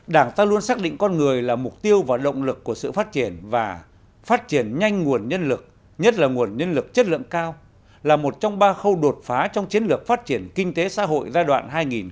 đảng ta luôn xác định con người là mục tiêu và động lực của sự phát triển và phát triển nhanh nguồn nhân lực nhất là nguồn nhân lực chất lượng cao là một trong ba khâu đột phá trong chiến lược phát triển kinh tế xã hội giai đoạn hai nghìn một mươi sáu hai nghìn ba mươi